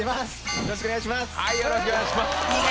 よろしくお願いします。